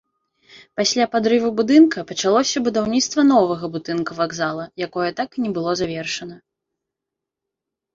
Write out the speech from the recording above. Пасля падрыву будынка пачалося будаўніцтва новага будынка вакзала, якое так і не было завершана.